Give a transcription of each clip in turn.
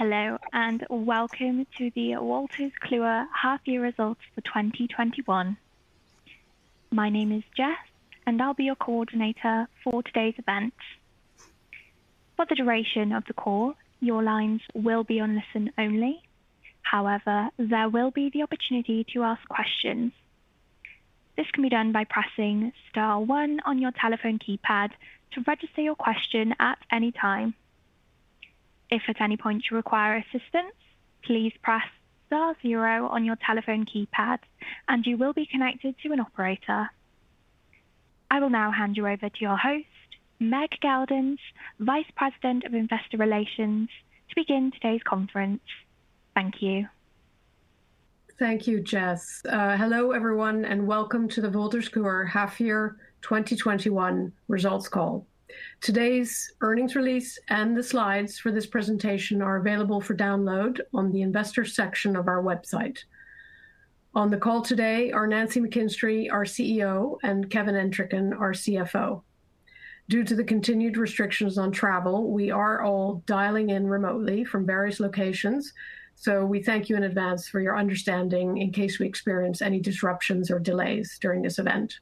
Hello, welcome to the Wolters Kluwer half-year results for 2021. My name is Jess, I'll be your coordinator for today's event. For the duration of the call, your lines will be on listen only. However, there will be the opportunity to ask questions. This can be done by pressing star one on your telephone keypad to register your question at any time. If at any point you require assistance, please press star zero on your telephone keypad, you will be connected to an operator. I will now hand you over to your host, Meg Geldens, Vice President of Investor Relations, to begin today's conference. Thank you. Thank you, Jess. Hello everyone, and welcome to the Wolters Kluwer half-year 2021 results call. Today's earnings release and the slides for this presentation are available for download on the investor section of our website. On the call today are Nancy McKinstry, our CEO, and Kevin Entricken, our CFO. Due to the continued restrictions on travel, we are all dialing in remotely from various locations, so we thank you in advance for your understanding in case we experience any disruptions or delays during this event.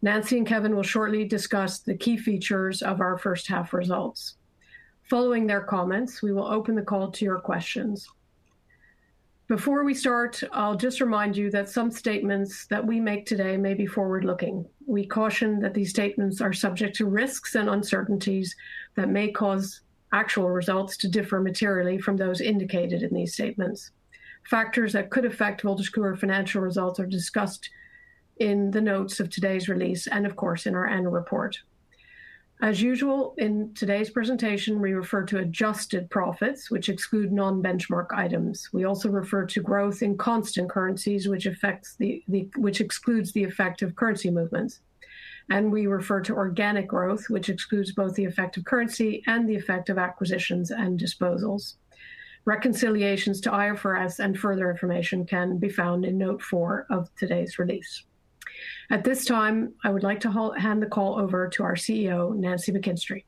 Nancy and Kevin will shortly discuss the key features of our first half results. Following their comments, we will open the call to your questions. Before we start, I'll just remind you that some statements that we make today may be forward-looking. We caution that these statements are subject to risks and uncertainties that may cause actual results to differ materially from those indicated in these statements. Factors that could affect Wolters Kluwer financial results are discussed in the notes of today's release and, of course, in our annual report. As usual, in today's presentation we refer to adjusted profits, which exclude non-benchmark items. We also refer to growth in constant currencies, which excludes the effect of currency movements. We refer to organic growth, which excludes both the effect of currency and the effect of acquisitions and disposals. Reconciliations to IFRS and further information can be found in note 4 of today's release. At this time, I would like to hand the call over to our CEO, Nancy McKinstry.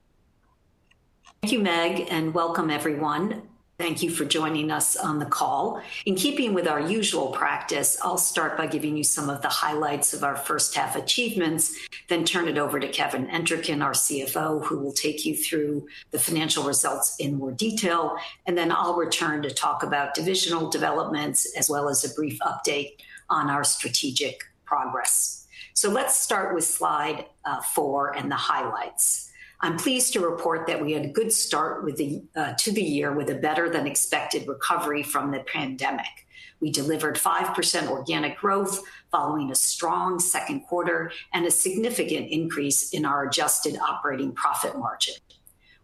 Thank you, Meg, and welcome everyone. Thank you for joining us on the call. In keeping with our usual practice, I'll start by giving you some of the highlights of our first half achievements, then turn it over to Kevin Entricken, our CFO, who will take you through the financial results in more detail, and then I'll return to talk about divisional developments as well as a brief update on our strategic progress. Let's start with slide 4 and the highlights. I'm pleased to report that we had a good start to the year with a better than expected recovery from the pandemic. We delivered 5% organic growth following a strong second quarter and a significant increase in our adjusted operating profit margin.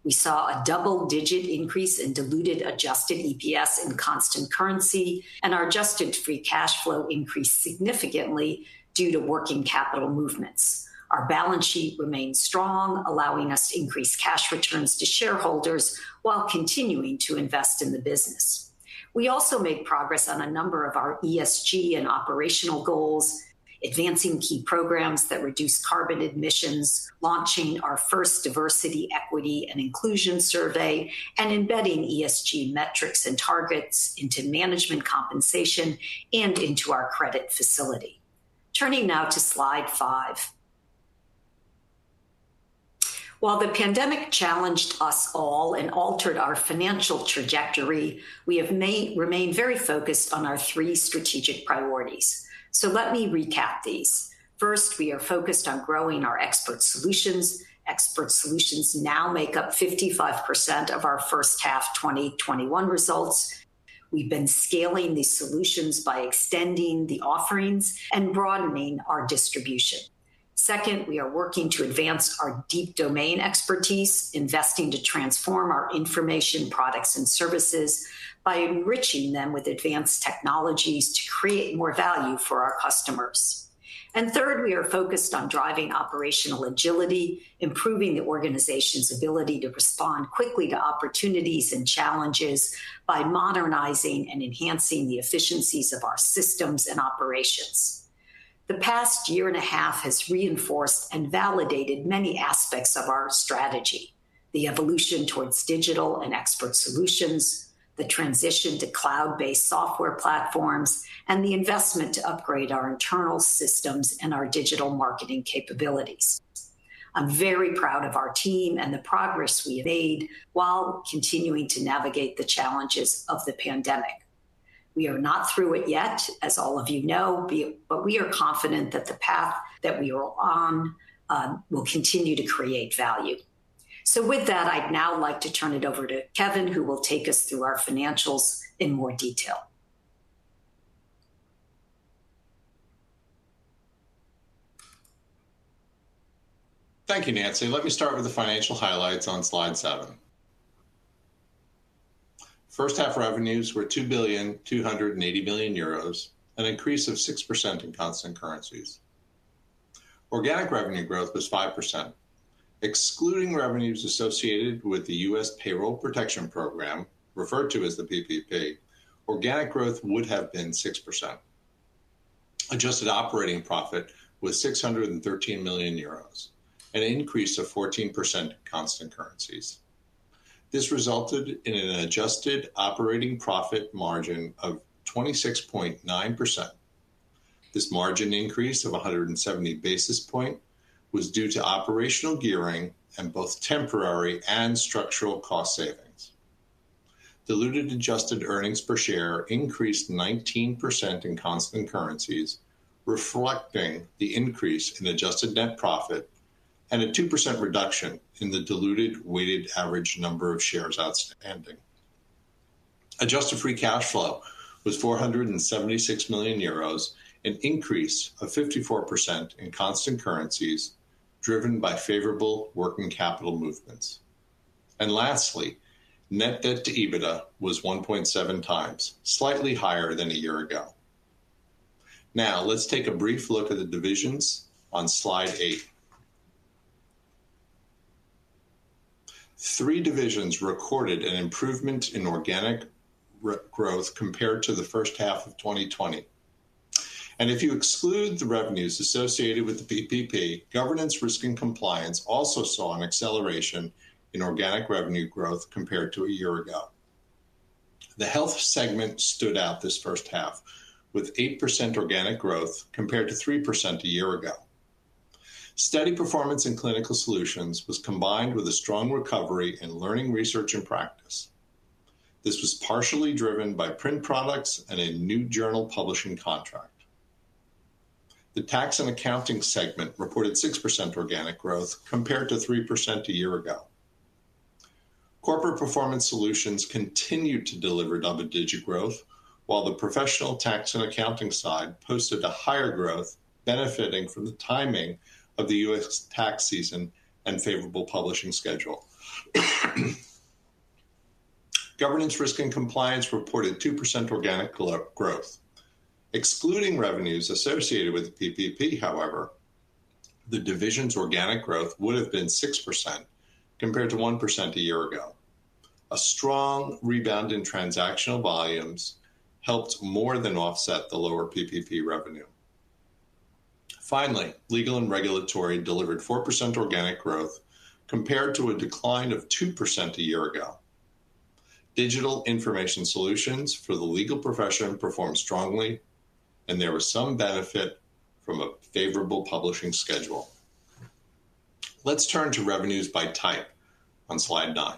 We saw a double-digit increase in diluted adjusted EPS in constant currency, and our adjusted free cash flow increased significantly due to working capital movements. Our balance sheet remains strong, allowing us to increase cash returns to shareholders while continuing to invest in the business. We also made progress on a number of our ESG and operational goals, advancing key programs that reduce carbon emissions, launching our first diversity, equity, and inclusion survey, and embedding ESG metrics and targets into management compensation and into our credit facility. Turning now to slide 5. While the pandemic challenged us all and altered our financial trajectory, we have remained very focused on our three strategic priorities. Let me recap these. First, we are focused on growing our expert solutions. Expert solutions now make up 55% of our first half 2021 results. We've been scaling these solutions by extending the offerings and broadening our distribution. Second, we are working to advance our deep domain expertise, investing to transform our information products and services by enriching them with advanced technologies to create more value for our customers. Third, we are focused on driving operational agility, improving the organization's ability to respond quickly to opportunities and challenges by modernizing and enhancing the efficiencies of our systems and operations. The past year and a half has reinforced and validated many aspects of our strategy. The evolution towards digital and expert solutions, the transition to cloud-based software platforms, and the investment to upgrade our internal systems and our digital marketing capabilities. I'm very proud of our team and the progress we have made while continuing to navigate the challenges of the pandemic. We are not through it yet, as all of you know, but we are confident that the path that we are on, will continue to create value. With that, I'd now like to turn it over to Kevin, who will take us through our financials in more detail. Thank you, Nancy. Let me start with the financial highlights on slide 7. First half revenues were 2,280 million euros, an increase of 6% in constant currencies. Organic revenue growth was 5%. Excluding revenues associated with the U.S. Paycheck Protection Program, referred to as the PPP, organic growth would have been 6%. Adjusted operating profit was 613 million euros, an increase of 14% constant currencies. This resulted in an adjusted operating profit margin of 26.9%. This margin increase of 170 basis points was due to operational gearing and both temporary and structural cost savings. Diluted adjusted earnings per share increased 19% in constant currencies, reflecting the increase in adjusted net profit and a 2% reduction in the diluted weighted average number of shares outstanding. Adjusted free cash flow was 476 million euros, an increase of 54% in constant currencies, driven by favorable working capital movements. Lastly, net debt to EBITDA was 1.7x, slightly higher than a year ago. Now, let's take a brief look at the divisions on slide 8. Three divisions recorded an improvement in organic revenue growth compared to the first half of 2020. If you exclude the revenues associated with the PPP, governance risk and compliance also saw an acceleration in organic revenue growth compared to a year ago. The Health segment stood out this first half, with 8% organic growth compared to 3% a year ago. Steady performance in Clinical Solutions was combined with a strong recovery in learning, research, and practice. This was partially driven by print products and a new journal publishing contract. The Tax & Accounting segment reported 6% organic growth compared to 3% a year ago. Corporate Performance Solutions continued to deliver double-digit growth, while the professional Tax & Accounting side posted a higher growth benefiting from the timing of the U.S. tax season and favorable publishing schedule. Governance risk and compliance reported 2% organic growth. Excluding revenues associated with PPP, however, the division's organic growth would have been 6% compared to 1% a year ago. A strong rebound in transactional volumes helped more than offset the lower PPP revenue. Finally, Legal and regulatory delivered 4% organic growth compared to a decline of 2% a year ago. Digital information solutions for the legal profession performed strongly, and there was some benefit from a favorable publishing schedule. Let's turn to revenues by type on slide 9.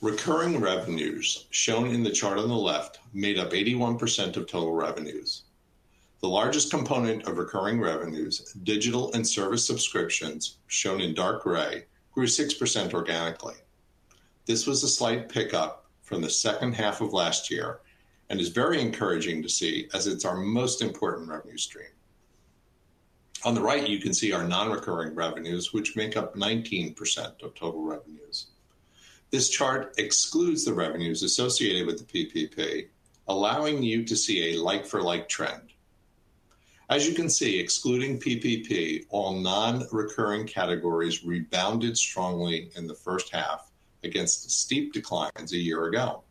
Recurring revenues, shown in the chart on the left, made up 81% of total revenues. The largest component of recurring revenues, digital and service subscriptions, shown in dark gray, grew 6% organically. This was a slight pickup from the second half of last year and is very encouraging to see as it's our most important revenue stream. On the right, you can see our non-recurring revenues, which make up 19% of total revenues. This chart excludes the revenues associated with the PPP, allowing you to see a like-for-like trend. As you can see, excluding PPP, all non-recurring categories rebounded strongly in the first half against steep declines a year ago.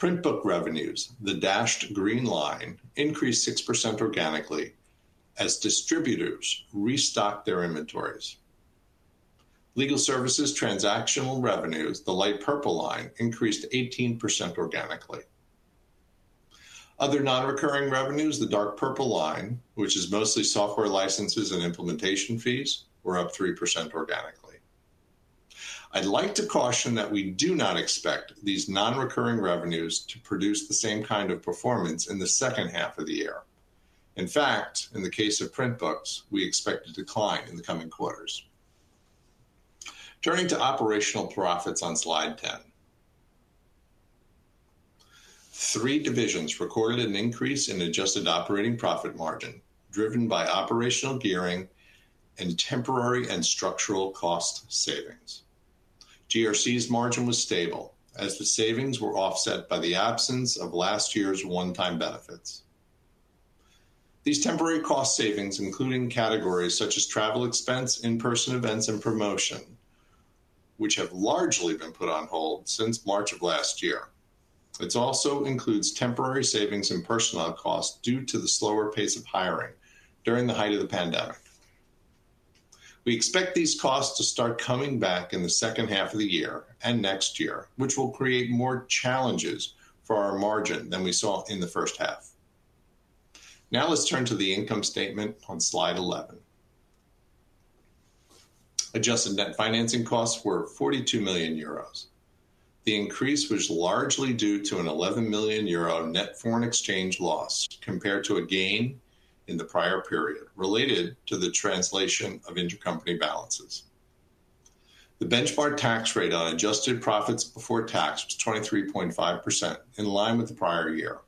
Print book revenues, the dashed green line, increased 6% organically as distributors restocked their inventories. Legal services transactional revenues, the light purple line, increased 18% organically. Other non-recurring revenues, the dark purple line, which is mostly software licenses and implementation fees, were up 3% organically. I'd like to caution that we do not expect these non-recurring revenues to produce the same kind of performance in the second half of the year. In fact, in the case of print books, we expect a decline in the coming quarters. Turning to operational profits on slide 10. 3 divisions recorded an increase in adjusted operating profit margin, driven by operational gearing and temporary and structural cost savings. GRC's margin was stable as the savings were offset by the absence of last year's one time benefits. These temporary cost savings, including categories such as travel expense, in-person events, and promotion, which have largely been put on hold since March of last year. It also includes temporary savings in personnel costs due to the slower pace of hiring during the height of the pandemic. We expect these costs to start coming back in the 2nd half of the year and next year, which will create more challenges for our margin than we saw in the 1st half. Let's turn to the income statement on slide 11. Adjusted net financing costs were 42 million euros. The increase was largely due to an 11 million euro net foreign exchange loss compared to a gain in the prior period related to the translation of intercompany balances. The benchmark tax rate on adjusted profits before tax was 23.5%, in line with the prior year.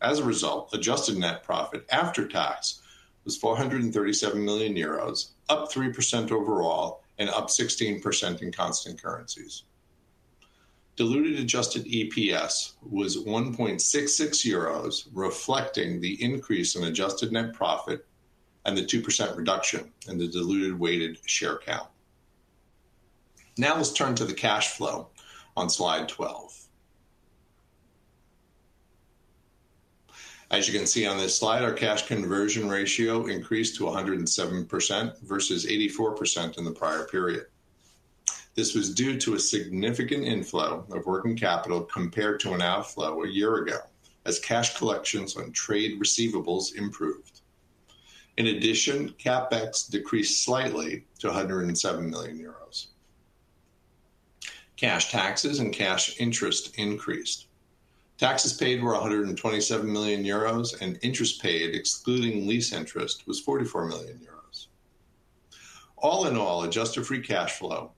As a result, adjusted net profit after tax was 437 million euros, up 3% overall and up 16% in constant currencies. Diluted adjusted EPS was 1.66 euros, reflecting the increase in adjusted net profit and the 2% reduction in the diluted weighted share count. Let's turn to the cash flow on Slide 12. As you can see on this slide, our cash conversion ratio increased to 107% versus 84% in the prior period. This was due to a significant inflow of working capital compared to an outflow a year ago as cash collections on trade receivables improved. CapEx decreased slightly to 107 million euros. Cash taxes and cash interest increased. Taxes paid were 127 million euros, and interest paid, excluding lease interest, was 44 million euros. All in all, adjusted free cash flow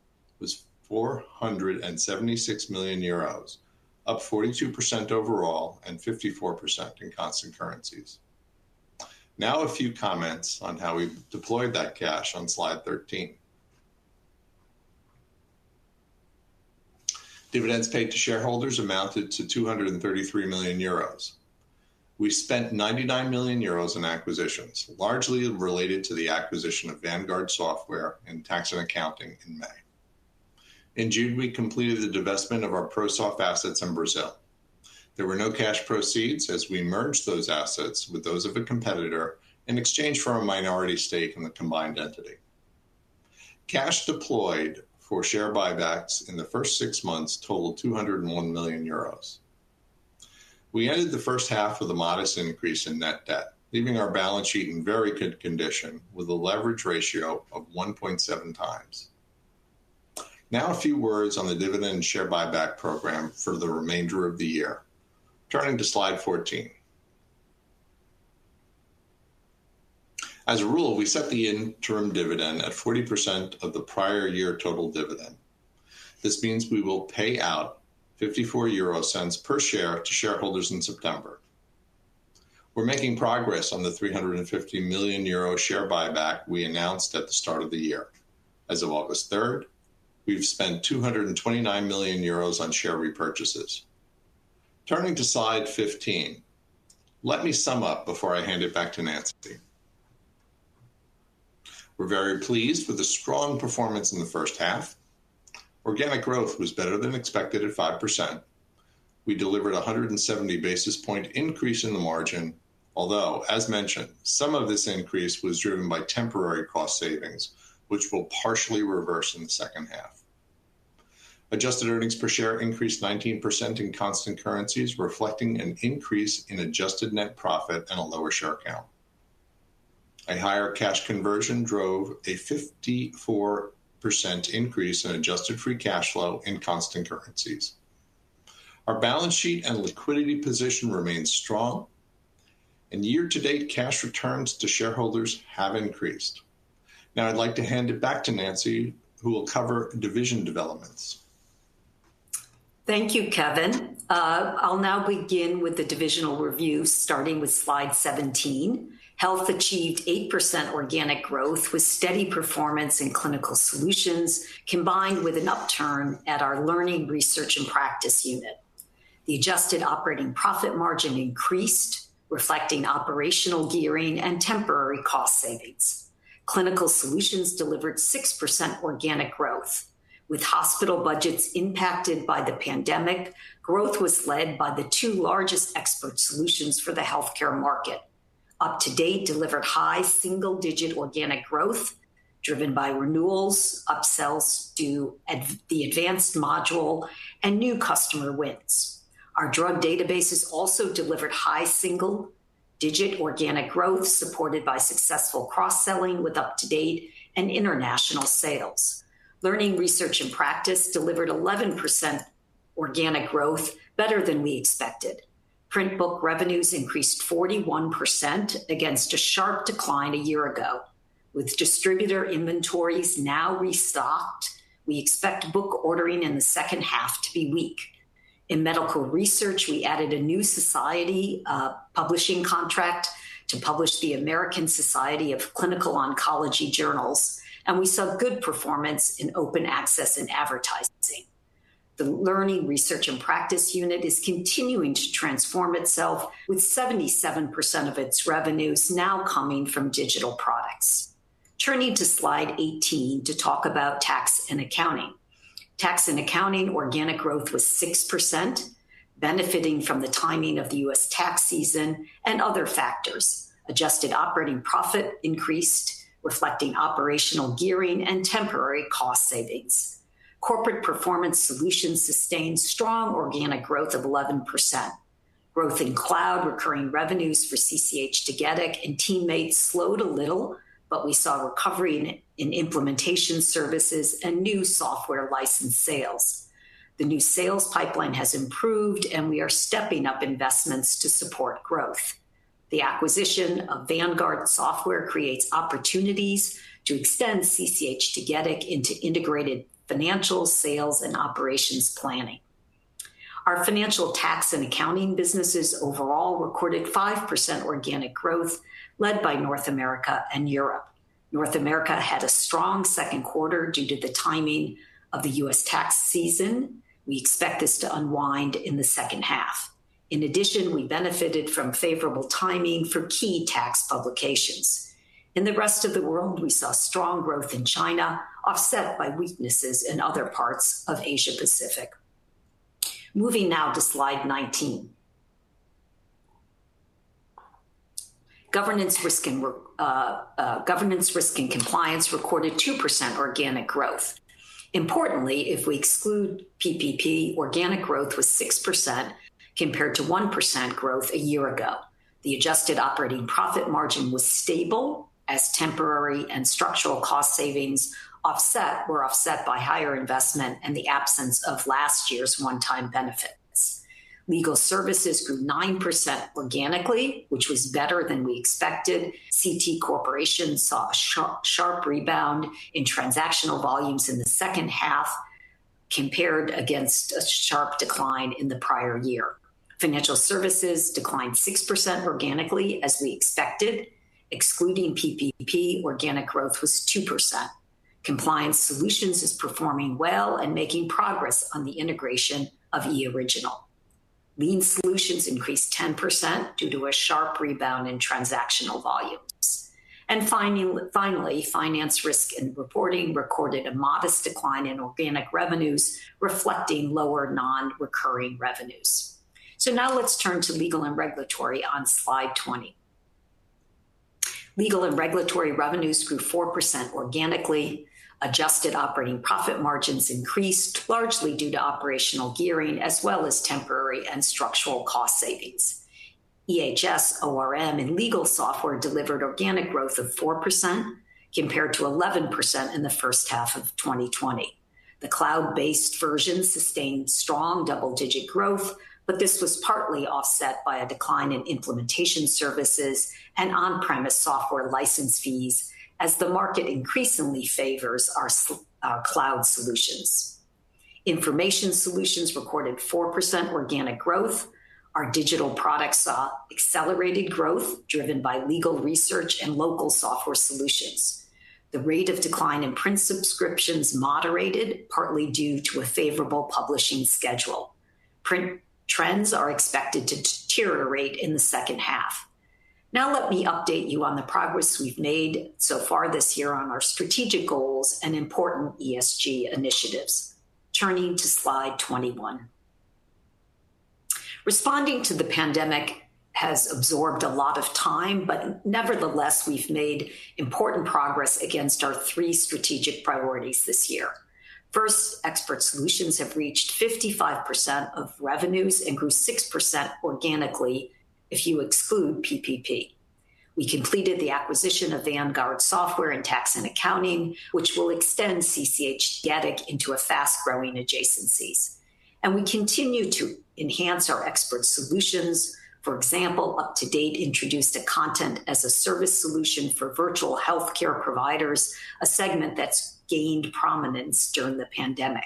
was 476 million euros, up 42% overall and 54% in constant currencies. A few comments on how we've deployed that cash on Slide 13. Dividends paid to shareholders amounted to 233 million euros. We spent 99 million euros in acquisitions, largely related to the acquisition of Vanguard Software in Tax and Accounting in May. In June, we completed the divestment of our Prosoft assets in Brazil. There were no cash proceeds as we merged those assets with those of a competitor in exchange for a minority stake in the combined entity. Cash deployed for share buybacks in the first six months totaled 201 million euros. We ended the first half with a modest increase in net debt, leaving our balance sheet in very good condition with a leverage ratio of 1.7x. A few words on the dividend share buyback program for the remainder of the year. Turning to slide 14. As a rule, we set the interim dividend at 40% of the prior year total dividend. This means we will pay out 0.54 per share to shareholders in September. We're making progress on the 350 million euro share buyback we announced at the start of the year. As of August 3rd, we've spent 229 million euros on share repurchases. Turning to slide 15, let me sum up before I hand it back to Nancy. We're very pleased with the strong performance in the first half. Organic growth was better than expected at 5%. We delivered 170 basis point increase in the margin, although, as mentioned, some of this increase was driven by temporary cost savings, which will partially reverse in the second half. Adjusted earnings per share increased 19% in constant currencies, reflecting an increase in adjusted net profit and a lower share count. A higher cash conversion drove a 54% increase in adjusted free cash flow in constant currencies. Our balance sheet and liquidity position remains strong, and year-to-date cash returns to shareholders have increased. Now I'd like to hand it back to Nancy, who will cover division developments. Thank you, Kevin. I'll now begin with the divisional review, starting with slide 17. Health achieved 8% organic growth with steady performance in clinical solutions, combined with an upturn at our Learning, Research, and Practice unit. The adjusted operating profit margin increased, reflecting operational gearing and temporary cost savings. Clinical Solutions delivered 6% organic growth. With hospital budgets impacted by the pandemic, growth was led by the two largest expert solutions for the healthcare market. UpToDate delivered high single-digit organic growth driven by renewals, upsells to the advanced module, new customer wins. Our drug databases also delivered high single-digit organic growth supported by successful cross-selling with UpToDate and international sales. Learning, Research, and Practice delivered 11% organic growth, better than we expected. Print book revenues increased 41% against a sharp decline a year ago. With distributor inventories now restocked, we expect book ordering in the second half to be weak. In medical research, we added a new society publishing contract to publish the American Society of Clinical Oncology journals, and we saw good performance in open access and advertising. The Learning, Research, and Practice unit is continuing to transform itself with 77% of its revenues now coming from digital products. Turning to slide 18 to talk about tax and accounting. Tax and accounting organic growth was 6%, benefiting from the timing of the U.S. tax season and other factors. Adjusted operating profit increased, reflecting operational gearing and temporary cost savings. Corporate Performance Solutions sustained strong organic growth of 11%. Growth in cloud recurring revenues for CCH Tagetik and TeamMate slowed a little, but we saw recovery in implementation services and new software license sales. The new sales pipeline has improved, and we are stepping up investments to support growth. The acquisition of Vanguard Software creates opportunities to extend CCH Tagetik into integrated financial, sales, and operations planning. Our financial tax and accounting businesses overall recorded 5% organic growth led by North America and Europe. North America had a strong second quarter due to the timing of the U.S. tax season. We expect this to unwind in the second half. In addition, we benefited from favorable timing for key tax publications. In the rest of the world, we saw strong growth in China, offset by weaknesses in other parts of Asia Pacific. Moving now to slide 19. Governance risk and compliance recorded 2% organic growth. Importantly, if we exclude PPP, organic growth was 6% compared to 1% growth a year ago. The adjusted operating profit margin was stable as temporary and structural cost savings were offset by higher investment and the absence of last year's one-time benefits. Legal Services grew 9% organically, which was better than we expected. CT Corporation saw a sharp rebound in transactional volumes in the second half compared against a sharp decline in the prior year. Financial Services declined 6% organically, as we expected. Excluding PPP, organic growth was 2%. Compliance Solutions is performing well and making progress on the integration of eOriginal. Lien Solutions increased 10% due to a sharp rebound in transactional volumes. Finally, Finance, Risk and Reporting recorded a modest decline in organic revenues, reflecting lower non-recurring revenues. Now let's turn to Legal and Regulatory on slide 20. Legal and Regulatory revenues grew 4% organically. Adjusted operating profit margins increased largely due to operational gearing as well as temporary and structural cost savings. EHS, ORM, and legal software delivered organic growth of 4% compared to 11% in the first half of 2020. The cloud-based version sustained strong double-digit growth, this was partly offset by a decline in implementation services and on-premise software license fees as the market increasingly favors our cloud solutions. Information Solutions recorded 4% organic growth. Our digital products saw accelerated growth driven by legal research and local software solutions. The rate of decline in print subscriptions moderated, partly due to a favorable publishing schedule. Print trends are expected to deteriorate in the second half. Let me update you on the progress we've made so far this year on our strategic goals and important ESG initiatives. Turning to slide 21. Responding to the pandemic has absorbed a lot of time. Nevertheless, we've made important progress against our three strategic priorities this year. First, expert solutions have reached 55% of revenues and grew 6% organically if you exclude PPP. We completed the acquisition of Vanguard Software in tax and accounting, which will extend CCH Tagetik into a fast-growing adjacencies. We continue to enhance our expert solutions. For example, UpToDate introduced a content-as-a-service solution for virtual healthcare providers, a segment that's gained prominence during the pandemic.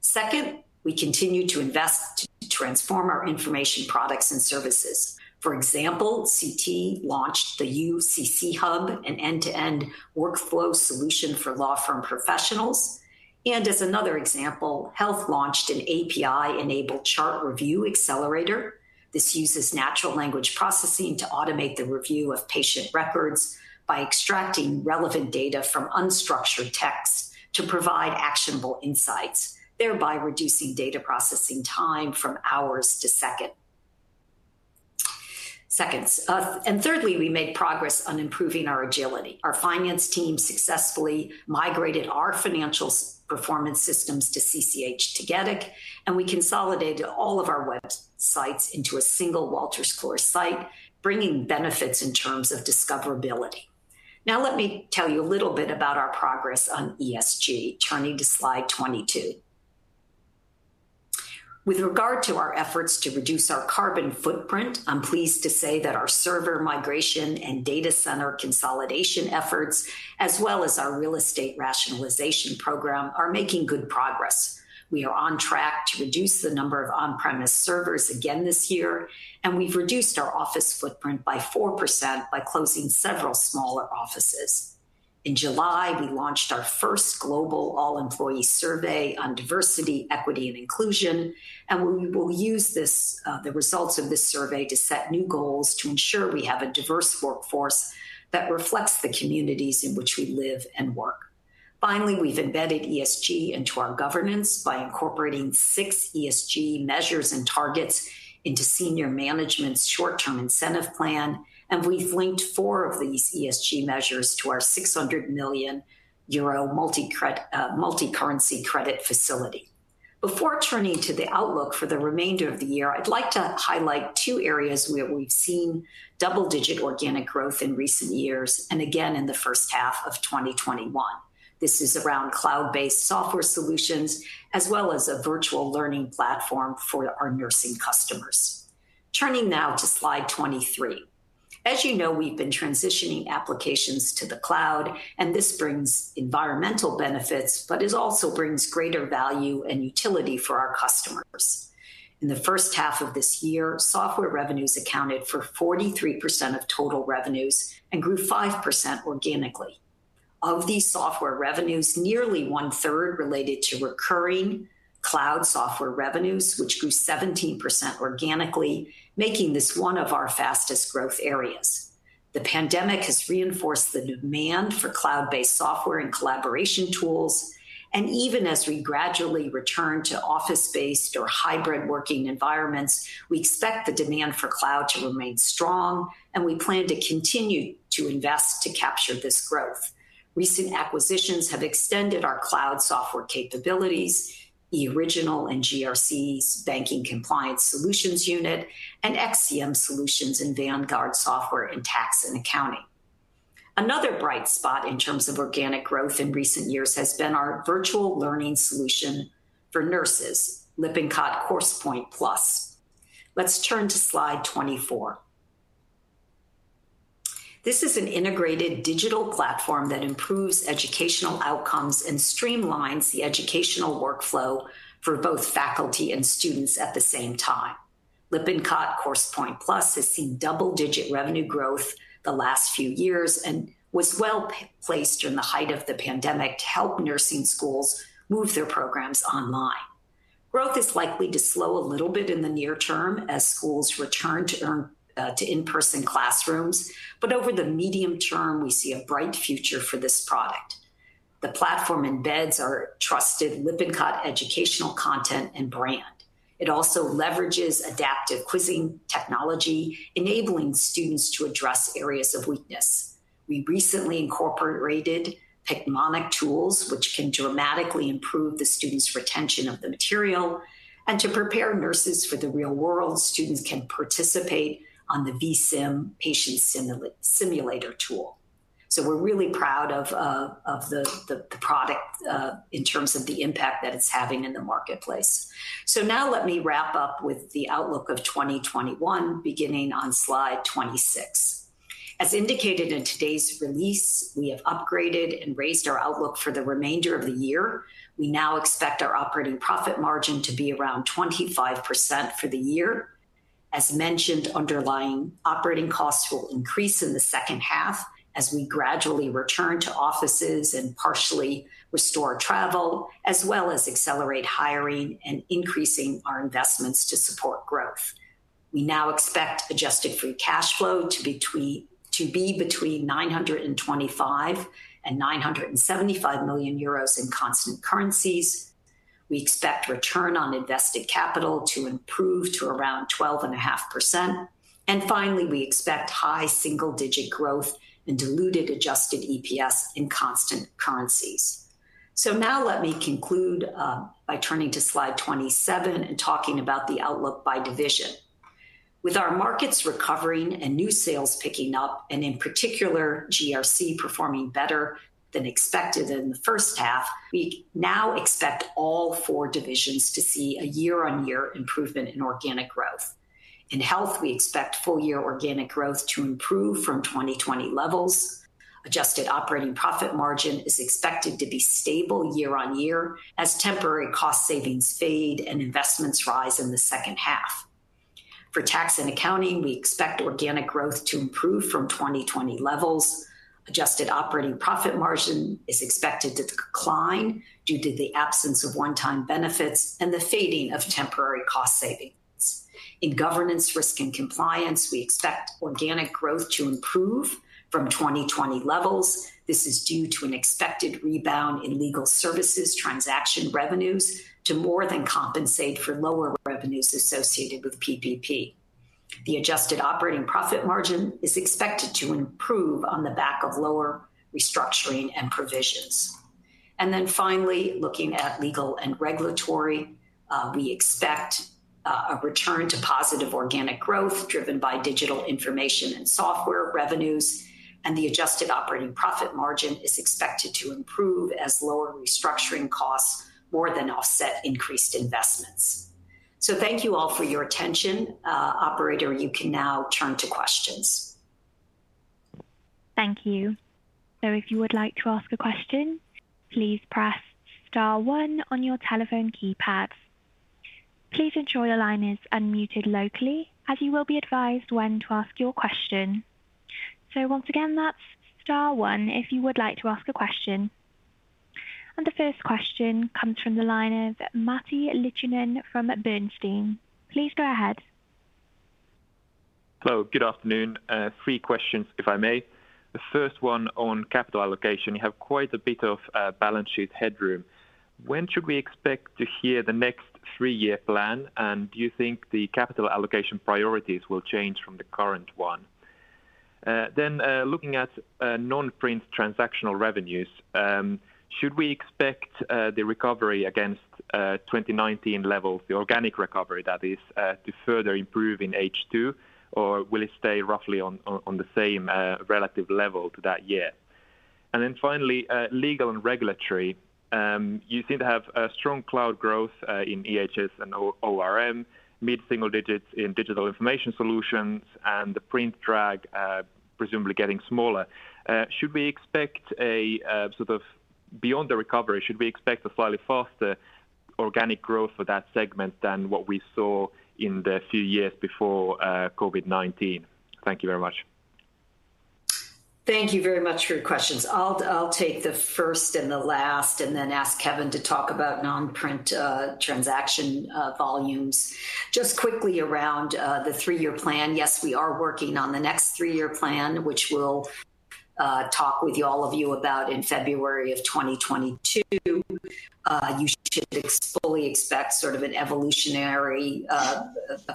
Second, we continue to invest to transform our information products and services. For example, CT launched the UCC Hub, an end-to-end workflow solution for law firm professionals. As another example, Health launched an API-enabled chart review accelerator. This uses natural language processing to automate the review of patient records by extracting relevant data from unstructured text to provide actionable insights, thereby reducing data processing time from hours to seconds. Thirdly, we made progress on improving our agility. Our finance team successfully migrated our financial performance systems to CCH Tagetik, and we consolidated all of our websites into a single Wolters Kluwer site, bringing benefits in terms of discoverability. Let me tell you a little bit about our progress on ESG. Turning to slide 22. With regard to our efforts to reduce our carbon footprint, I am pleased to say that our server migration and data center consolidation efforts, as well as our real estate rationalization program, are making good progress. We are on track to reduce the number of on-premise servers again this year. We've reduced our office footprint by 4% by closing several smaller offices. In July, we launched our first global all-employee survey on diversity, equity, and inclusion. We will use the results of this survey to set new goals to ensure we have a diverse workforce that reflects the communities in which we live and work. Finally, we've embedded ESG into our governance by incorporating 6 ESG measures and targets into senior management's short-term incentive plan. We've linked 4 of these ESG measures to our 600 million euro multi-currency credit facility. Before turning to the outlook for the remainder of the year, I'd like to highlight two areas where we've seen double-digit organic growth in recent years and again in the first half of 2021. This is around cloud-based software solutions as well as a virtual learning platform for our nursing customers. Turning now to slide 23. As you know, we've been transitioning applications to the cloud, and this brings environmental benefits, but it also brings greater value and utility for our customers. In the first half of this year, software revenues accounted for 43% of total revenues and grew 5% organically. Of these software revenues, nearly 1/3 related to recurring cloud software revenues, which grew 17% organically, making this one of our fastest growth areas. The pandemic has reinforced the demand for cloud-based software and collaboration tools, and even as we gradually return to office-based or hybrid working environments, we expect the demand for cloud to remain strong, and we plan to continue to invest to capture this growth. Recent acquisitions have extended our cloud software capabilities, eOriginal and GRC's banking compliance solutions unit, and XCM Solutions in Vanguard Software and Tax and Accounting. Another bright spot in terms of organic growth in recent years has been our virtual learning solution for nurses, Lippincott CoursePoint+. Let's turn to slide 24. This is an integrated digital platform that improves educational outcomes and streamlines the educational workflow for both faculty and students at the same time. Lippincott CoursePoint+ has seen double-digit revenue growth the last few years and was well placed during the height of the pandemic to help nursing schools move their programs online. Growth is likely to slow a little bit in the near term as schools return to learn, to in-person classrooms, over the medium term, we see a bright future for this product. The platform embeds our trusted Lippincott educational content and brand. It also leverages adaptive quizzing technology, enabling students to address areas of weakness. We recently incorporated mnemonic tools, which can dramatically improve the students' retention of the material. To prepare nurses for the real world, students can participate on the vSim patient simulator tool. We're really proud of the product in terms of the impact that it's having in the marketplace. Now let me wrap up with the outlook of 2021 beginning on slide 26. As indicated in today's release, we have upgraded and raised our outlook for the remainder of the year. We now expect our operating profit margin to be around 25% for the year. As mentioned, underlying operating costs will increase in the second half as we gradually return to offices and partially restore travel, as well as accelerate hiring and increasing our investments to support growth. We now expect adjusted free cash flow to be between 925 million and 975 million euros in constant currencies. We expect a return on invested capital to improve to around 12.5%. Finally, we expect high single-digit growth in diluted adjusted EPS in constant currencies. Now let me conclude by turning to slide 27 and talking about the outlook by division. With our markets recovering and new sales picking up, and in particular GRC performing better than expected in the first half, we now expect all four divisions to see a year-on-year improvement in organic growth. In Health, we expect full-year organic growth to improve from 2020 levels. Adjusted operating profit margin is expected to be stable year-on-year as temporary cost savings fade and investments rise in the second half. For Tax and Accounting, we expect organic growth to improve from 2020 levels. Adjusted operating profit margin is expected to decline due to the absence of one-time benefits and the fading of temporary cost savings. In Governance, Risk, and Compliance, we expect organic growth to improve from 2020 levels. This is due to an expected rebound in legal services transaction revenues to more than compensate for lower revenues associated with PPP. The adjusted operating profit margin is expected to improve on the back of lower restructuring and provisions. Finally, looking at Legal and Regulatory, we expect a return to positive organic growth driven by digital information and software revenues, and the adjusted operating profit margin is expected to improve as lower restructuring costs more than offset increased investments. Thank you all for your attention. Operator, you can now turn to questions. Thank you. If you would like to ask a question, please press star one on your telephone keypad. Please ensure your line is unmuted locally, as you will be advised when to ask your question. Once again, that's star one if you would like to ask a question. The first question comes from the line of Matti Littunen from Bernstein. Please go ahead. Hello, good afternoon. Three questions if I may. The first one on capital allocation. You have quite a bit of balance sheet headroom. When should we expect to hear the next three-year plan? Do you think the capital allocation priorities will change from the current one? Looking at non-print transactional revenues, should we expect the recovery against 2019 levels, the organic recovery that is, to further improve in H2, or will it stay roughly on the same relative level to that year? Finally, legal and regulatory, you seem to have a strong cloud growth in EHS and ORM, mid-single digits in digital information solutions, and the print drag, presumably getting smaller. Beyond the recovery, should we expect a slightly faster organic growth for that segment than what we saw in the few years before COVID-19? Thank you very much. Thank you very much for your questions. I'll take the first and the last, and then ask Kevin to talk about non-print transaction volumes. Just quickly around the three year plan, yes, we are working on the next three year plan, which we'll talk with you, all of you about in February of 2022. You should fully expect sort of an evolutionary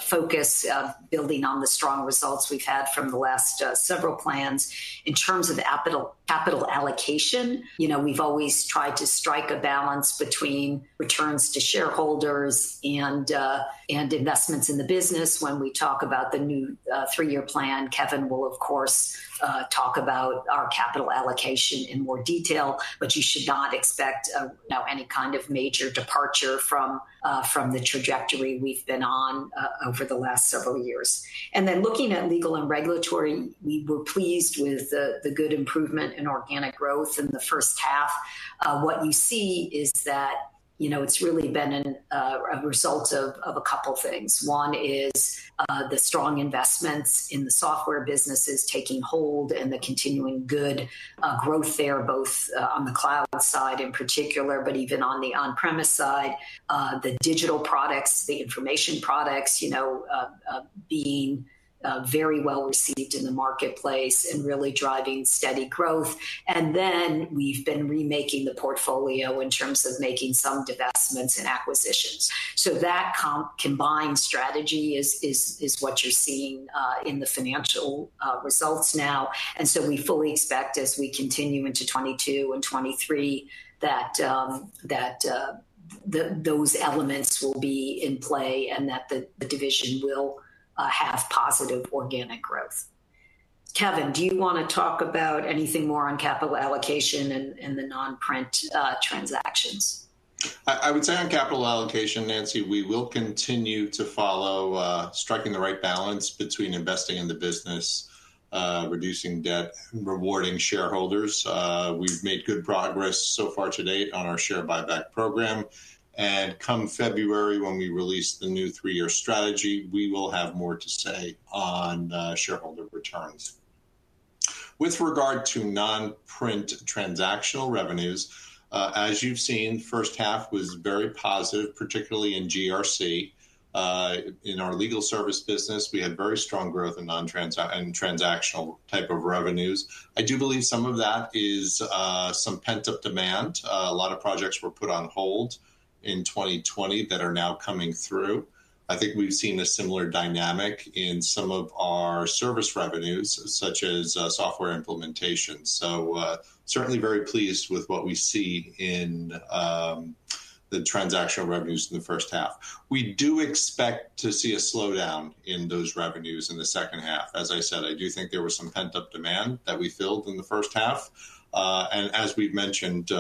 focus of building on the strong results we've had from the last several plans. In terms of capital allocation, you know, we've always tried to strike a balance between returns to shareholders and investments in the business. When we talk about the new three year plan, Kevin will, of course, talk about our capital allocation in more detail. You should not expect, you know, any kind of major departure from the trajectory we've been on over the last several years. Looking at legal and regulatory, we were pleased with the good improvement in organic growth in the 1st half. What you see is that, you know, it's really been a result of couple of things. 1 is, the strong investments in the software businesses taking hold and the continuing good growth there, both on the cloud side in particular, but even on the on-premise side. The digital products, the information products, you know, being very well received in the marketplace and really driving steady growth. We've been remaking the portfolio in terms of making some divestments and acquisitions. That combined strategy is what you're seeing in the financial results now. We fully expect as we continue into 2022 and 2023 that those elements will be in play and that the division will have positive organic growth. Kevin, do you wanna talk about anything more on capital allocation and the non-print transactions? I would say on capital allocation, Nancy, we will continue to follow striking the right balance between investing in the business, reducing debt, and rewarding shareholders. We've made good progress so far to date on our share buyback program, and come February when we release the new three-year strategy, we will have more to say on shareholder returns. With regard to non-print transactional revenues, as you've seen, first half was very positive, particularly in GRC. In our legal service business, we had very strong growth in transactional type of revenues. I do believe some of that is some pent-up demand. A lot of projects were put on hold in 2020 that are now coming through. I think we've seen a similar dynamic in some of our service revenues, such as software implementation. Certainly very pleased with what we see in the transactional revenues in the first half. We do expect to see a slowdown in those revenues in the second half. As I said, I do think there was some pent-up demand that we filled in the first half. As we've mentioned,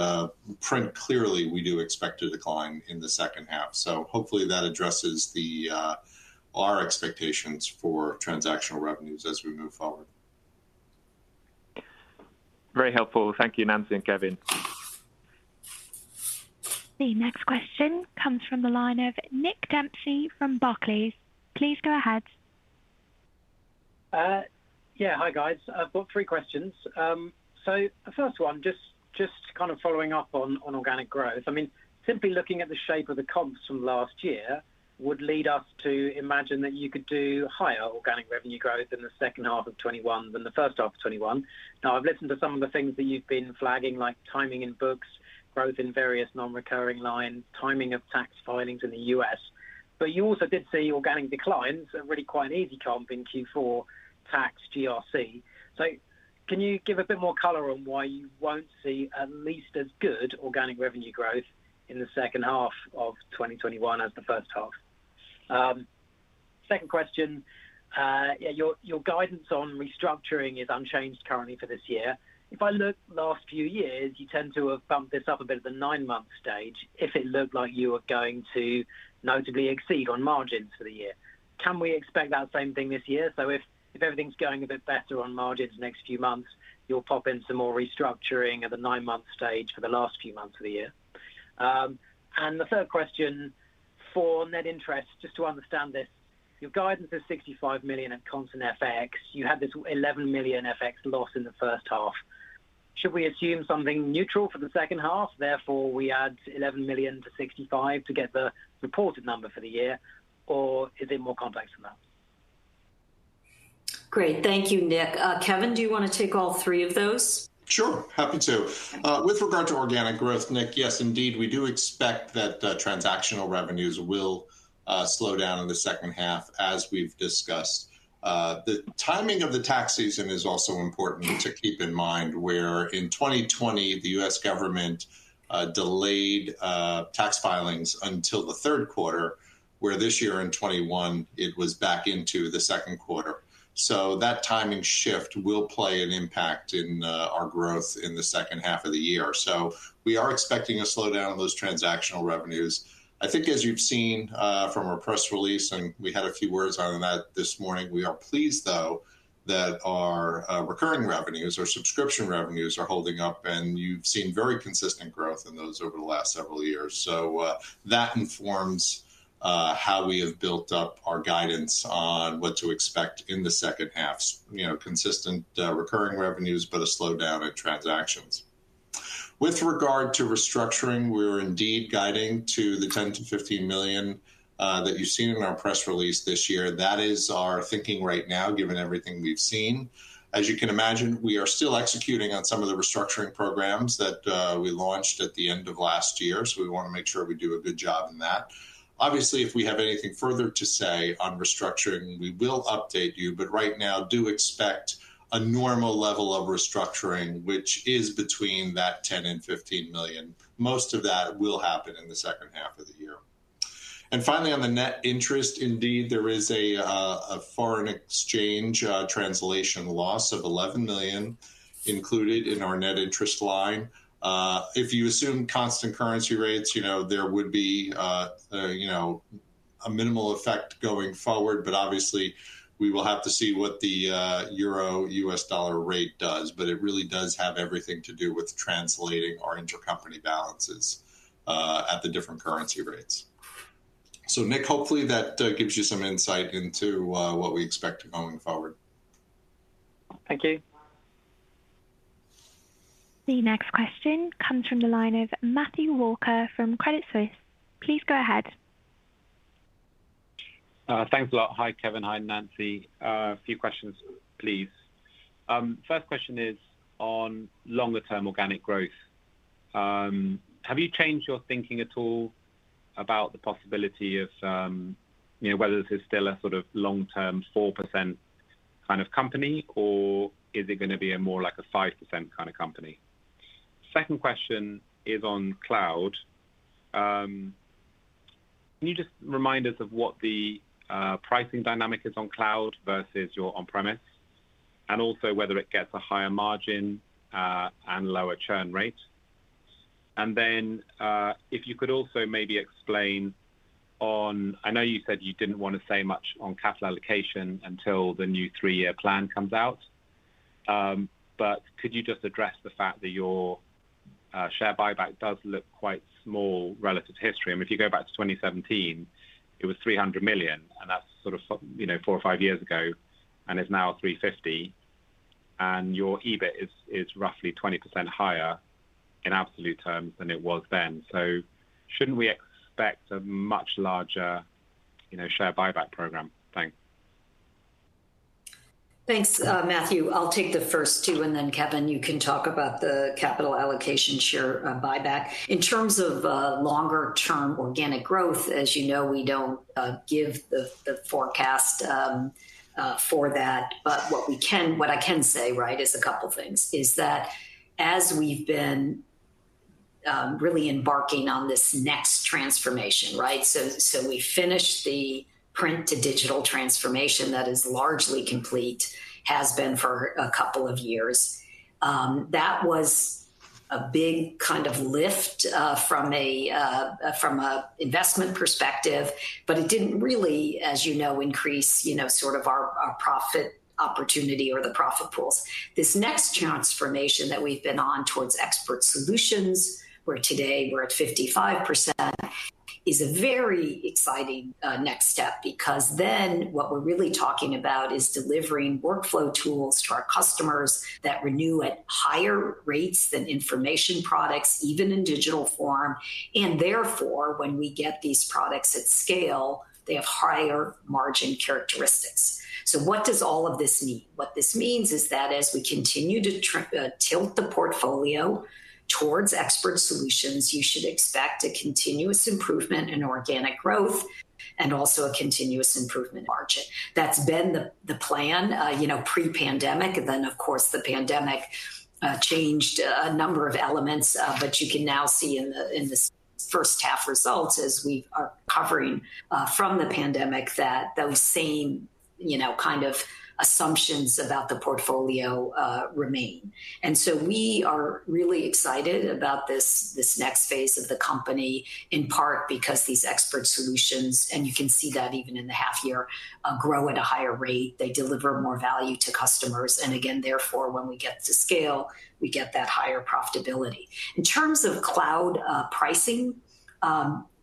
print clearly we do expect to decline in the second half. Hopefully that addresses the our expectations for transactional revenues as we move forward. Very helpful. Thank you, Nancy and Kevin. The next question comes from the line of Nick Dempsey from Barclays. Please go ahead. Yeah. Hi, guys. I've got three questions. The first one, just kind of following up on organic growth. I mean, simply looking at the shape of the comps from last year would lead us to imagine that you could do higher organic revenue growth in the second half of 2021 than the first half of 2021. I've listened to some of the things that you've been flagging, like timing in books, growth in various non-recurring lines, timing of tax filings in the U.S. You also did see organic declines at really quite an easy comp in Q4, tax, GRC. Can you give a bit more color on why you won't see at least as good organic revenue growth in the second half of 2021 as the first half? Second question. Yeah, your guidance on restructuring is unchanged currently for this year. If I look last few years, you tend to have bumped this up a bit at the nine-month stage if it looked like you were going to notably exceed on margins for the year. Can we expect that same thing this year? If everything's going a bit better on margins the next few months, you'll pop in some more restructuring at the nine-month stage for the last few months of the year. The third question, for net interest, just to understand this, your guidance is 65 million at constant FX. You had this 11 million FX loss in the first half. Should we assume something neutral for the second half, therefore we add 11 million to 65 to get the reported number for the year, or is it more complex than that? Great. Thank you, Nick. Kevin, do you want to take all three of those? Sure, happy to. With regard to organic growth, Nick, yes, indeed, we do expect that transactional revenues will slow down in the second half as we've discussed. The timing of the tax season is also important to keep in mind, where in 2020, the U.S. government delayed tax filings until the third quarter, where this year in 2021, it was back into the second quarter. That timing shift will play an impact in our growth in the second half of the year. We are expecting a slowdown of those transactional revenues. I think as you've seen from our press release, and we had a few words on that this morning, we are pleased though that our recurring revenues, our subscription revenues, are holding up, and you've seen very consistent growth in those over the last several years. That informs how we have built up our guidance on what to expect in the second half. You know, consistent recurring revenues, but a slowdown at transactions. With regard to restructuring, we're indeed guiding to the 10 million to 15 million that you've seen in our press release this year. That is our thinking right now, given everything we've seen. As you can imagine, we are still executing on some of the restructuring programs that we launched at the end of last year, so we wanna make sure we do a good job in that. Obviously, if we have anything further to say on restructuring, we will update you. Right now, do expect a normal level of restructuring, which is between that 10 million and 15 million. Most of that will happen in the second half of the year. Finally, on the net interest, indeed, there is a foreign exchange translation loss of 11 million included in our net interest line. If you assume constant currency rates, you know, there would be, you know, a minimal effect going forward. Obviously, we will have to see what the euro-U.S. dollar rate does. It really does have everything to do with translating our intercompany balances at the different currency rates. Nick, hopefully that gives you some insight into what we expect going forward. Thank you. The next question comes from the line of Matthew Walker from Credit Suisse. Please go ahead. Thanks a lot. Hi, Kevin. Hi, Nancy. A few questions please. First question is on longer term organic growth. Have you changed your thinking at all about the possibility of, you know, whether this is still a sort of long-term 4% kind of company, or is it going to be a more like a 5% kind of company? Second question is on cloud. Can you just remind us of what the pricing dynamic is on cloud versus your on-premise, and also whether it gets a higher margin and lower churn rate? If you could also maybe explain on I know you said you didn't want to say much on capital allocation until the new three-year plan comes out, but could you just address the fact that your share buyback does look quite small relative to history? I mean, if you go back to 2017, it was 300 million, and that's sort of you know, four or five years ago, and it's now 350 million, and your EBIT is roughly 20% higher in absolute terms than it was then. Shouldn't we expect a much larger, you know, share buyback program? Thanks. Thanks, Matthew. I'll take the first two, Kevin, you can talk about the capital allocation share buyback. In terms of longer term organic growth, as you know, we don't give the forecast for that. What I can say, right, is a couple things, is that as we've been really embarking on this next transformation, right? We finished the print to digital transformation, that is largely complete, has been for a couple of years. That was a big kind of lift from an investment perspective, but it didn't really, as you know, increase, you know, sort of our profit opportunity or the profit pools. This next transformation that we've been on towards expert solutions, where today we're at 55%, is a very exciting next step. Because then what we're really talking about is delivering workflow tools to our customers that renew at higher rates than information products, even in digital form. Therefore, when we get these products at scale, they have higher margin characteristics. What does all of this mean? What this means is that as we continue to tilt the portfolio towards expert solutions, you should expect a continuous improvement in organic growth and also a continuous improvement margin. That's been the plan, you know, pre-pandemic. Of course, the pandemic changed a number of elements, but you can now see in the first half results as we are recovering from the pandemic that those same, you know, kind of assumptions about the portfolio remain. We are really excited about this next phase of the company, in part because these expert solutions, and you can see that even in the half year, grow at a higher rate. They deliver more value to customers, and again, therefore, when we get to scale, we get that higher profitability. In terms of cloud pricing,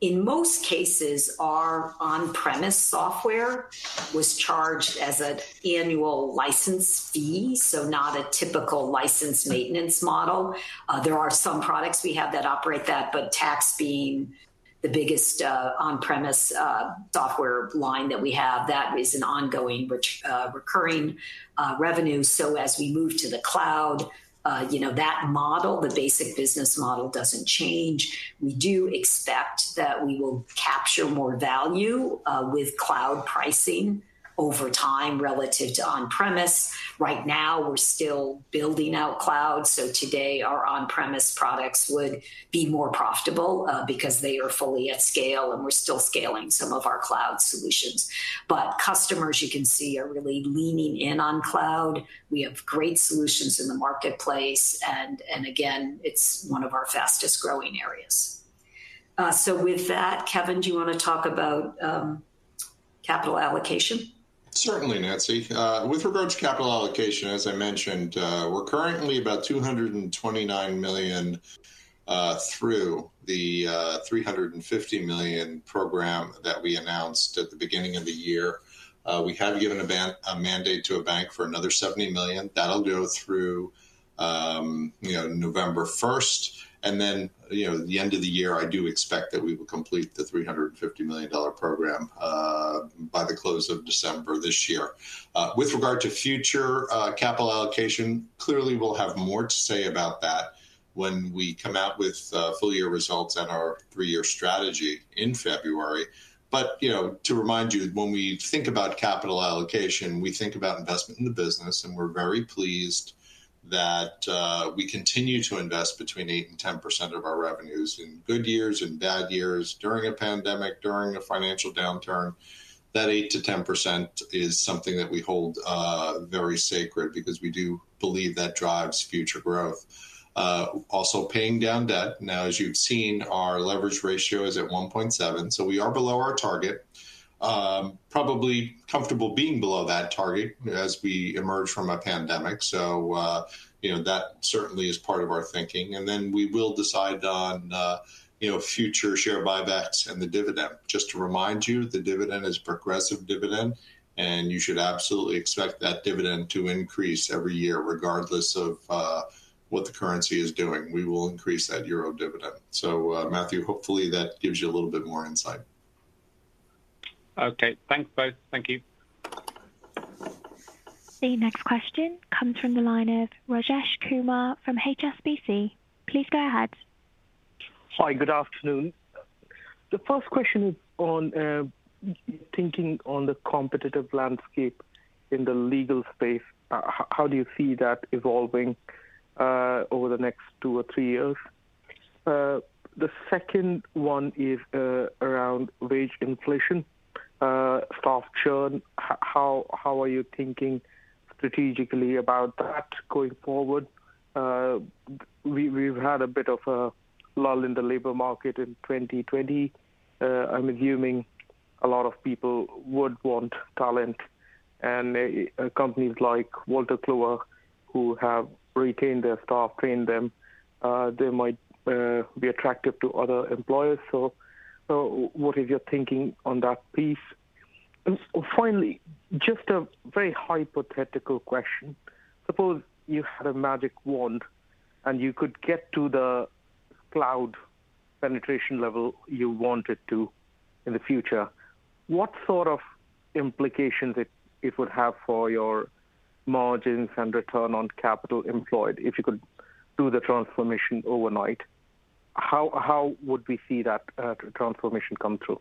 in most cases, our on-premise software was charged as an annual license fee, so not a typical license maintenance model. There are some products we have that operate that, but tax being the biggest on-premise software line that we have, that is an ongoing recurring revenue. As we move to the cloud, you know, that model, the basic business model doesn't change. We do expect that we will capture more value with cloud pricing over time relative to on-premise. Right now, we're still building out cloud, so today our on-premise products would be more profitable, because they are fully at scale, and we're still scaling some of our cloud solutions. Customers, you can see, are really leaning in on cloud. We have great solutions in the marketplace, and again, it's one of our fastest growing areas. With that, Kevin, do you wanna talk about Capital allocation? Certainly, Nancy. With regards to capital allocation, as I mentioned, we're currently about 229 million through the 350 million program that we announced at the beginning of the year. We have given a mandate to a bank for another 70 million. That'll go through, you know, November 1st. You know, at the end of the year, I do expect that we will complete the EUR 350 million program by the close of December this year. With regard to future capital allocation, clearly we'll have more to say about that when we come out with full year results and our three-year strategy in February. You know, to remind you, when we think about capital allocation, we think about investment in the business, and we're very pleased that we continue to invest between 8% and 10% of our revenues in good years and bad years, during a pandemic, during a financial downturn. That 8%-10% is something that we hold very sacred because we do believe that drives future growth. Also paying down debt. Now as you've seen, our leverage ratio is at 1.7, so we are below our target. Probably comfortable being below that target as we emerge from a pandemic. You know, that certainly is part of our thinking. Then we will decide on, you know, future share buybacks and the dividend. Just to remind you, the dividend is progressive dividend, and you should absolutely expect that dividend to increase every year regardless of what the currency is doing. We will increase that Euro dividend. Matthew, hopefully that gives you a little bit more insight. Okay. Thanks both. Thank you. The next question comes from the line of Rajesh Kumar from HSBC. Please go ahead. Hi, good afternoon. The first question is on thinking on the competitive landscape in the legal space. How do you see that evolving over the next two or three years? The second one is around wage inflation, staff churn. How are you thinking strategically about that going forward? We've had a bit of a lull in the labor market in 2020. I'm assuming a lot of people would want talent, and companies like Wolters Kluwer who have retained their staff, trained them, they might be attractive to other employers. What is your thinking on that piece? Finally, just a very hypothetical question. Suppose you had a magic wand, and you could get to the cloud penetration level you want it to in the future. What sort of implications it would have for your margins and return on capital employed if you could do the transformation overnight? How would we see that transformation come through?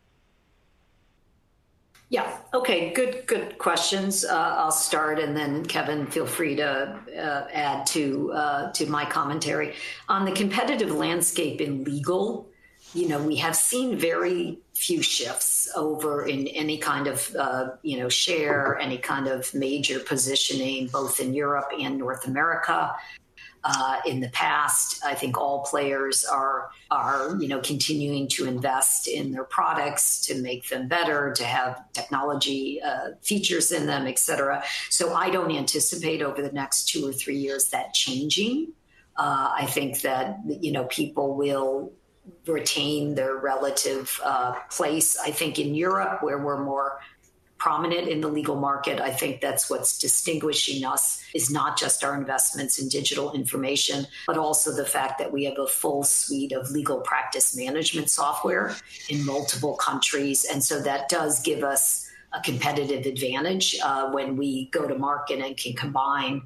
Yeah. Okay, good questions. I'll start and then Kevin, feel free to add to my commentary. On the competitive landscape in legal, you know, we have seen very few shifts over in any kind of, you know, share, any kind of major positioning, both in Europe and North America, in the past. I think all players are, you know, continuing to invest in their products to make them better, to have technology, features in them, et cetera. I don't anticipate over the next two or three years that changing. I think that, you know, people will retain their relative, place. I think in Europe where we're more prominent in the legal market, I think that's what's distinguishing us is not just our investments in digital information, but also the fact that we have a full suite of legal practice management software in multiple countries. That does give us a competitive advantage when we go to market and can combine,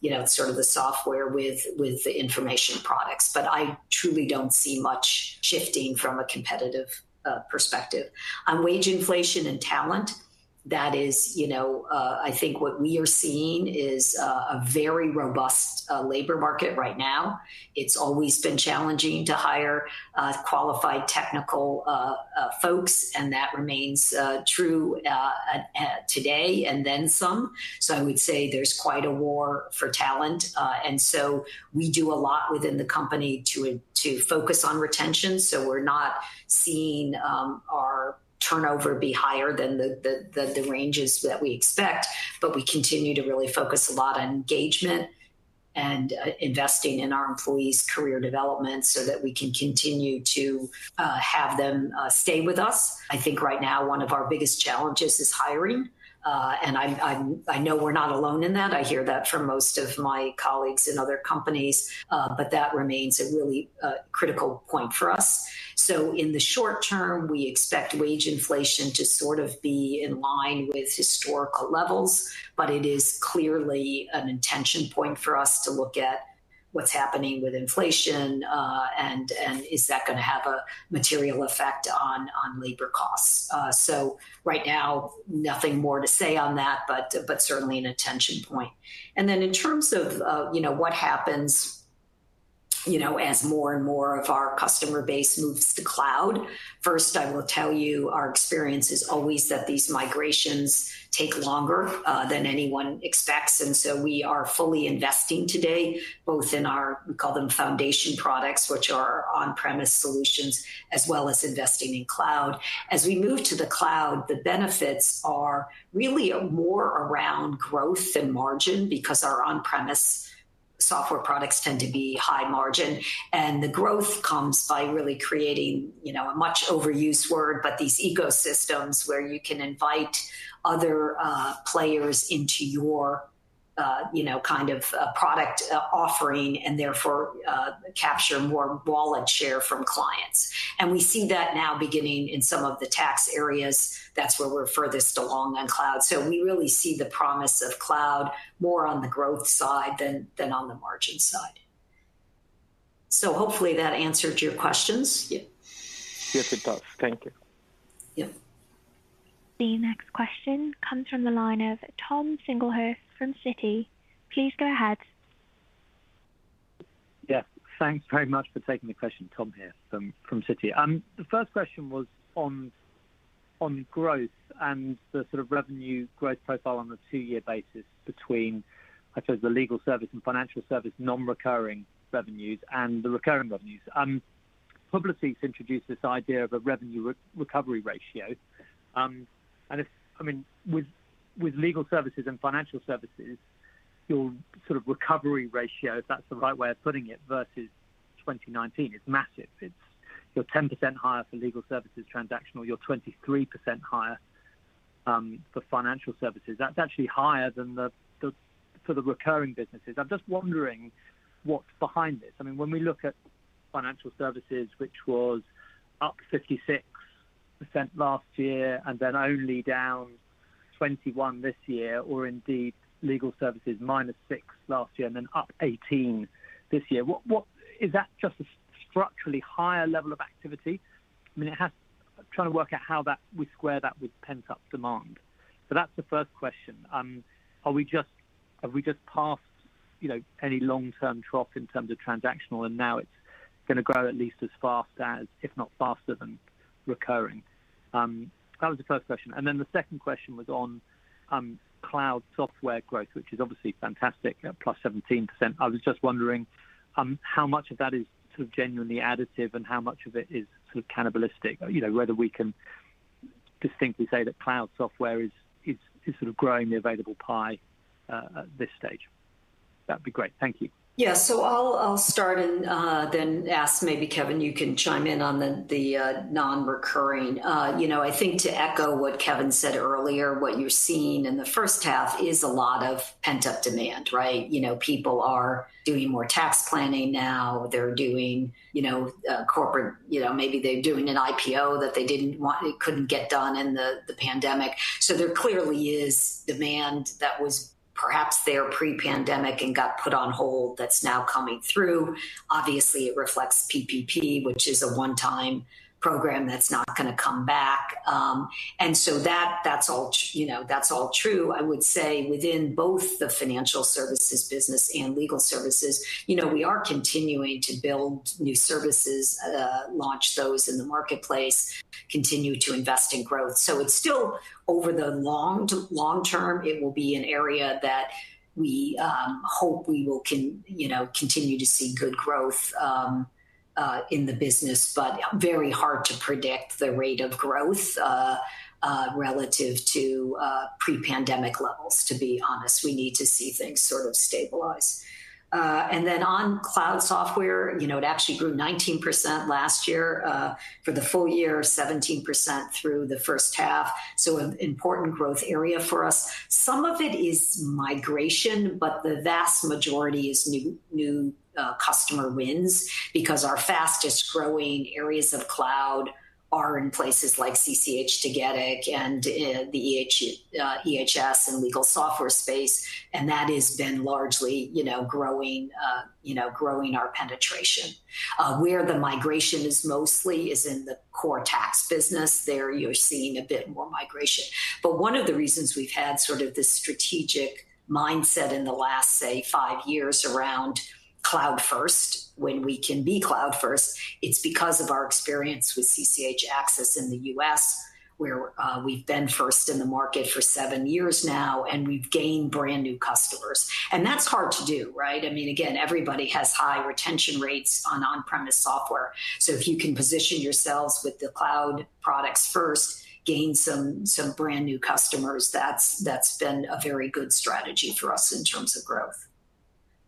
you know, sort of the software with the information products. I truly don't see much shifting from a competitive perspective. On wage inflation and talent, that is, you know, I think what we are seeing is a very robust labor market right now. It's always been challenging to hire qualified technical folks, and that remains true today and then some. I would say there's quite a war for talent. We do a lot within the company to focus on retention, so we're not seeing our turnover be higher than the ranges that we expect. We continue to really focus a lot on engagement and investing in our employees' career development so that we can continue to have them stay with us. I think right now one of our biggest challenges is hiring. I know we're not alone in that. I hear that from most of my colleagues in other companies. That remains a really critical point for us. In the short term, we expect wage inflation to sort of be in line with historical levels, but it is clearly an intention point for us to look at what's happening with inflation, and is that going to have a material effect on labor costs. Right now, nothing more to say on that, but certainly an attention point. In terms of, you know, as more and more of our customer base moves to cloud. First, I will tell you our experience is always that these migrations take longer than anyone expects, we are fully investing today, both in our, we call them foundation products, which are on-premise solutions, as well as investing in cloud. As we move to the cloud, the benefits are really more around growth and margin because our on-premise software products tend to be high margin, and the growth comes by really creating, you know, a much overused word, but these ecosystems where you can invite other players into your, you know, kind of, product offering, and therefore, capture more wallet share from clients. We see that now beginning in some of the tax areas. That's where we're furthest along on cloud. We really see the promise of cloud more on the growth side than on the margin side. Hopefully that answered your questions. Yes, it does. Thank you. Yep. The next question comes from the line of Tom Singlehurst from Citi. Please go ahead. Yeah, thanks very much for taking the question. Tom here from Citi. The first question was on growth and the sort of revenue growth profile on a two year basis between, I suppose the legal service and financial service non-recurring revenues and the recurring revenues. Publicis introduced this idea of a revenue re-recovery ratio. If I mean, with legal services and financial services, your sort of recovery ratio, if that's the right way of putting it, versus 2019 is massive. It's. You're 10% higher for legal services transactional. You're 23% higher for financial services. That's actually higher than the sort of recurring businesses. I'm just wondering what's behind this. I mean, when we look at financial services, which was up 56% last year, only down 21 this year, legal services six last year, up 18 this year. What is that just a structurally higher level of activity? I mean, it has I'm trying to work out how we square that with pent-up demand. That's the first question. Are we just have we just passed, you know, any long-term trough in terms of transactional, now it's gonna grow at least as fast as, if not faster than recurring? That was the first question. The second question was on cloud software growth, which is obviously fantastic, plus 17%. I was just wondering how much of that is sort of genuinely additive and how much of it is sort of cannibalistic? You know, whether we can distinctly say that cloud software is sort of growing the available pie at this stage. That'd be great. Thank you. Yeah. I'll start and then ask maybe Kevin, you can chime in on the non-recurring. I think to echo what Kevin said earlier, what you're seeing in the first half is a lot of pent-up demand, right? People are doing more tax planning now. They're doing corporate maybe they're doing an IPO that they couldn't get done in the pandemic. There clearly is demand that was perhaps there pre-pandemic and got put on hold that's now coming through. Obviously, it reflects PPP, which is a one-time program that's not gonna come back. That's all true. I would say within both the financial services business and legal services, you know, we are continuing to build new services, launch those in the marketplace, continue to invest in growth. It's still over the long term, it will be an area that we hope we will, you know, continue to see good growth in the business. Very hard to predict the rate of growth relative to pre-pandemic levels, to be honest. We need to see things sort of stabilize. On cloud software, you know, it actually grew 19% last year for the full year, 17% through the first half, so an important growth area for us. Some of it is migration, the vast majority is new customer wins because our fastest-growing areas of cloud are in places like CCH Tagetik and the EHS and legal software space, and that has been largely, you know, growing, you know, growing our penetration. Where the migration is mostly is in the core tax business. There you're seeing a bit more migration. One of the reasons we've had sort of this strategic mindset in the last, say, five years around cloud first, when we can be cloud first, it's because of our experience with CCH Axcess in the US, where we've been first in the market for seven years now, and we've gained brand-new customers. That's hard to do, right? I mean, again, everybody has high retention rates on on-premise software. If you can position yourselves with the cloud products first, gain some brand-new customers, that's been a very good strategy for us in terms of growth.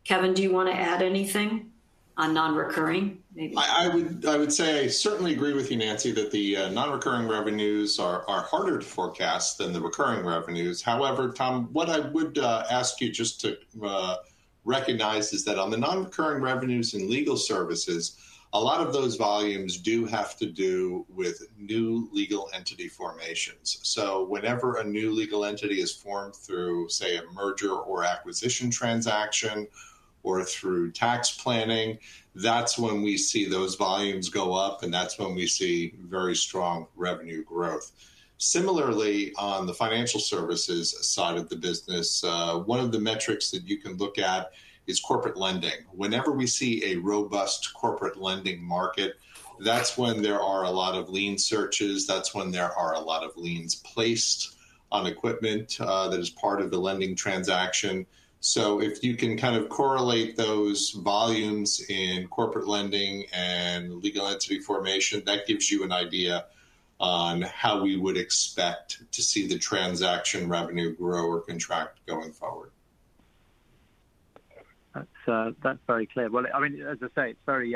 Kevin, do you wanna add anything on non-recurring? I would say I certainly agree with you, Nancy, that the non-recurring revenues are harder to forecast than the recurring revenues. Tom, what I would ask you just to recognize is that on the non-recurring revenues in legal services, a lot of those volumes do have to do with new legal entity formations. Whenever a new legal entity is formed through, say, a merger or acquisition transaction. Or through tax planning. That's when we see those volumes go up, and that's when we see very strong revenue growth. Similarly, on the financial services side of the business, one of the metrics that you can look at is corporate lending. Whenever we see a robust corporate lending market, that's when there are a lot of lien searches, that's when there are a lot of liens placed on equipment, that is part of the lending transaction. If you can kind of correlate those volumes in corporate lending and legal entity formation, that gives you an idea on how we would expect to see the transaction revenue grow or contract going forward. That's, that's very clear. I mean, as I say, it's very,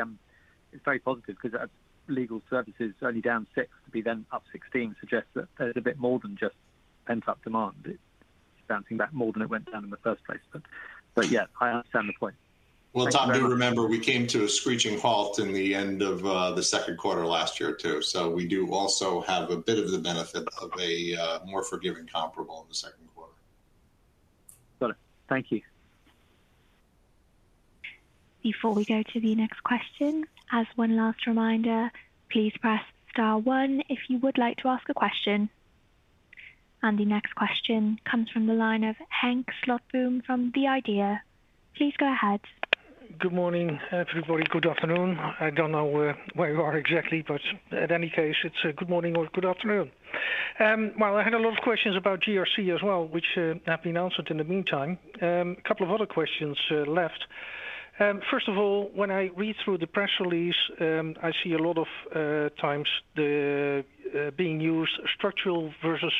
it's very positive because legal services only down 6%, to be then up 16% suggests that there's a bit more than just pent-up demand. It's bouncing back more than it went down in the first place. Yeah, I understand the point. Thank you very much. Well, Tom, do remember we came to a screeching halt in the end of the second quarter last year, too. We do also have a bit of the benefit of a more forgiving comparable in the second quarter. Got it. Thank you. Before we go to the next question, as one last reminder, please press star one if you would like to ask a question. The next question comes from the line of Henk Slotboom from The IDEA!. Please go ahead. Good morning, everybody. Good afternoon. I don't know where you are exactly, but in any case, it's a good morning or good afternoon. Well, I had a lot of questions about GRC as well, which have been answered in the meantime. A couple of other questions left. First of all, when I read through the press release, I see a lot of times the being used structural versus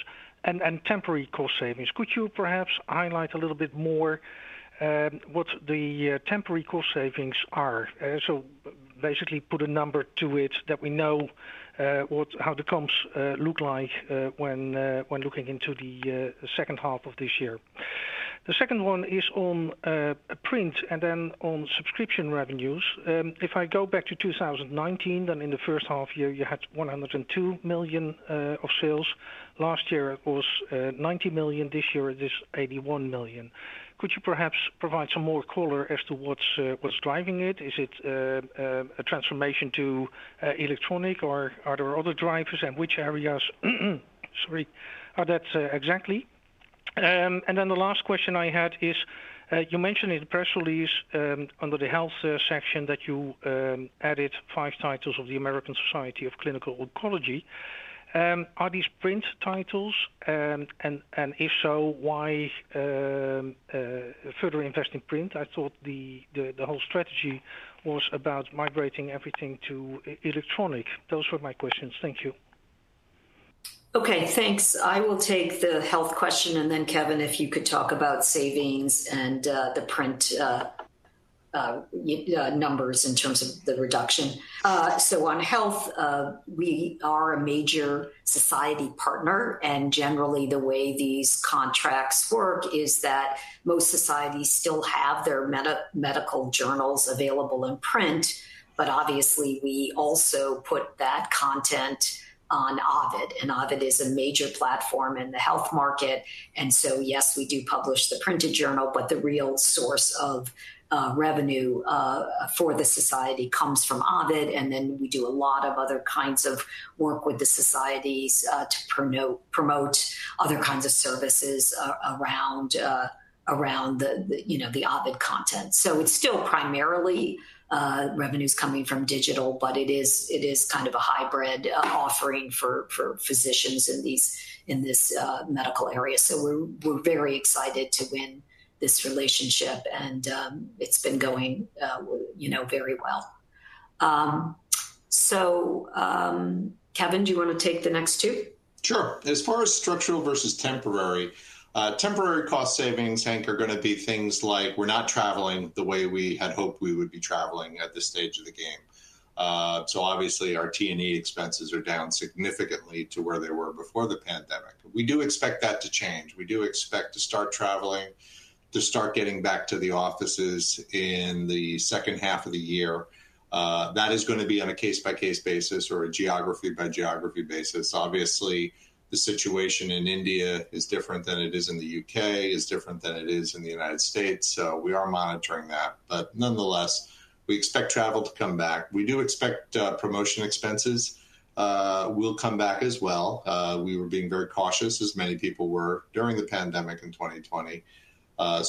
and temporary cost savings. Could you perhaps highlight a little bit more what the temporary cost savings are? So basically put a number to it that we know what, how the comps look like when looking into the second half of this year. The second one is on print and then on subscription revenues. If I go back to 2019, then in the first half year you had 102 million of sales. Last year it was 90 million. This year it is 81 million. Could you perhaps provide some more color as to what's driving it? Is it a transformation to electronic, or are there other drivers? Which areas, sorry, are that exactly? The last question I had is you mentioned in the press release under the health section that you added 5 titles of the American Society of Clinical Oncology. Are these print titles? And if so, why further invest in print? I thought the whole strategy was about migrating everything to e- electronic. Those were my questions. Thank you. Okay, thanks. I will take the health question, and then Kevin, if you could talk about savings and, the print, numbers in terms of the reduction. On health, we are a major society partner, and generally the way these contracts work is that most societies still have their medical journals available in print, but obviously we also put that content on Ovid, and Ovid is a major platform in the health market. Yes, we do publish the printed journal, but the real source of, revenue, for the society comes from Ovid, and then we do a lot of other kinds of work with the societies, to promote other kinds of services around the, you know, the Ovid content. It's still primarily revenues coming from digital, but it is kind of a hybrid offering for physicians in this medical area. We're very excited to win this relationship and it's been going, you know, very well. Kevin, do you wanna take the next two? Sure. As far as structural versus temporary cost savings, Henk, are gonna be things like we're not traveling the way we had hoped we would be traveling at this stage of the game. Obviously our T&E expenses are down significantly to where they were before the pandemic. We do expect that to change. We do expect to start traveling, to start getting back to the offices in the second half of the year. That is gonna be on a case-by-case basis or a geography-by-geography basis. Obviously, the situation in India is different than it is in the U.K., is different than it is in the United States, so we are monitoring that. Nonetheless, we expect travel to come back. We do expect promotion expenses will come back as well. We were being very cautious, as many people were during the pandemic in 2020.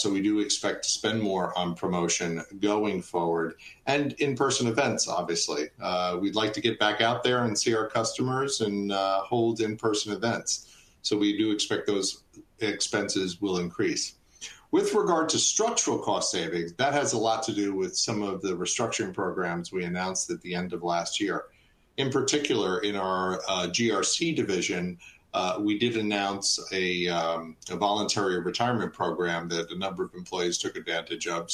We do expect to spend more on promotion going forward, and in-person events obviously. We'd like to get back out there and see our customers and hold in-person events. We do expect those expenses will increase. With regard to structural cost savings, that has a lot to do with some of the restructuring programs we announced at the end of last year. In particular, in our GRC division, we did announce a voluntary retirement program that a number of employees took advantage of.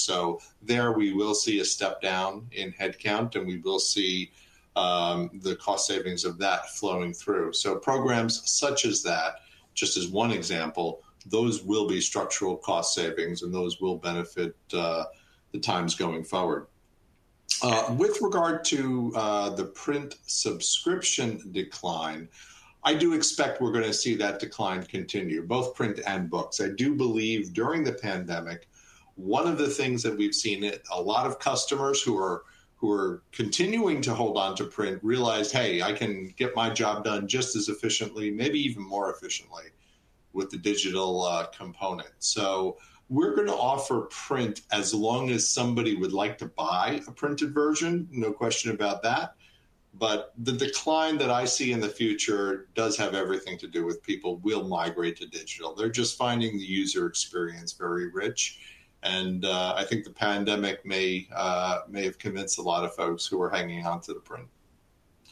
There we will see a step-down in head count, and we will see the cost savings of that flowing through. Programs such as that, just as one example, those will be structural cost savings and those will benefit the times going forward. With regard to the print subscription decline, I do expect we're gonna see that decline continue, both print and books. I do believe during the pandemic, one of the things that we've seen, a lot of customers who are continuing to hold onto print realize, "Hey, I can get my job done just as efficiently, maybe even more efficiently with the digital component." We're gonna offer print as long as somebody would like to buy a printed version, no question about that. The decline that I see in the future does have everything to do with people will migrate to digital. They're just finding the user experience very rich, and I think the pandemic may have convinced a lot of folks who were hanging on to the print.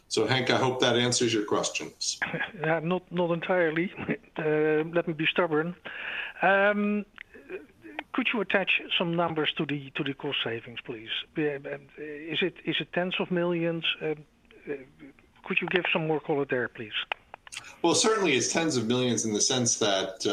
Henk, I hope that answers your questions. Yeah, not entirely. Let me be stubborn. Could you attach some numbers to the cost savings, please? Is it tens of millions? Could you give some more color there, please? Certainly it's tens of millions EUR in the sense that,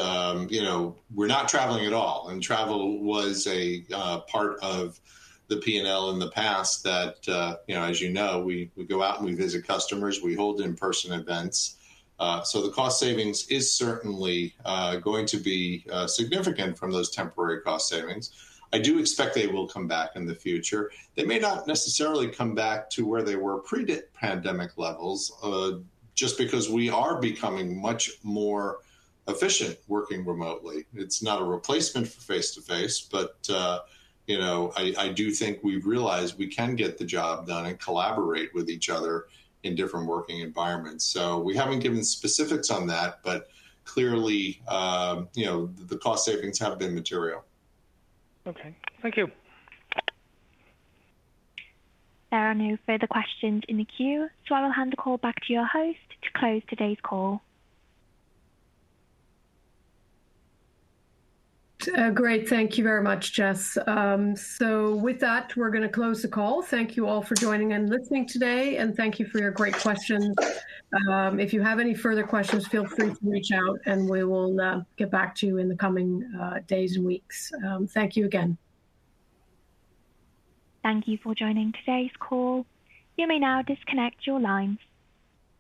you know, we're not traveling at all, and travel was a part of the P&L in the past that, you know, as you know, we go out and we visit customers. We hold in-person events. The cost savings is certainly going to be significant from those temporary cost savings. I do expect they will come back in the future. They may not necessarily come back to where they were pre-pandemic levels, just because we are becoming much more efficient working remotely. It's not a replacement for face-to-face, but, you know, I do think we've realized we can get the job done and collaborate with each other in different working environments. We haven't given specifics on that, but clearly, you know, the cost savings have been material. Okay. Thank you. There are no further questions in the queue. I will hand the call back to your host to close today's call. Great. Thank you very much, Jess. With that, we're gonna close the call. Thank you all for joining and listening today, and thank you for your great questions. If you have any further questions, feel free to reach out, and we will get back to you in the coming days and weeks. Thank you again. Thank you for joining today's call. You may now disconnect your lines.